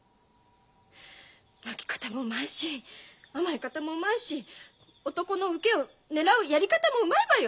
泣き方もうまいし甘え方もうまいし男のウケをねらうやり方もうまいわよ。